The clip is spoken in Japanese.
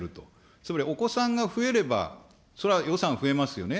つまりお子さんが増えれば、そりゃ予算は増えますよね。